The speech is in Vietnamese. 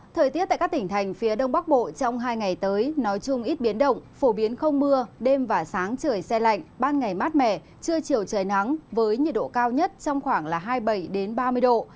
thời tiết tại các tỉnh thành phía đông bắc bộ trong hai ngày tới nói chung ít biến động phổ biến không mưa đêm và sáng trời xe lạnh ban ngày mát mẻ trưa chiều trời nắng với nhiệt độ cao nhất trong khoảng hai mươi bảy ba mươi độ